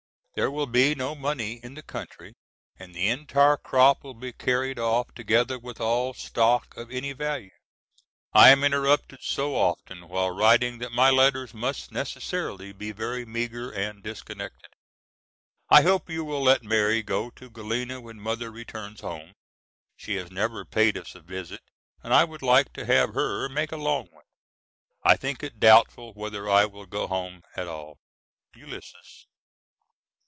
There will be no money in the country, and the entire crop will be carried off together with all stock of any value. I am interrupted so often while writing that my letters must necessarily be very meagre and disconnected. I hope you will let Mary go to Galena when Mother returns home. She has never paid us a visit and I would like to have her make a long one. I think it doubtful whether I will go home at all. ULYSSES.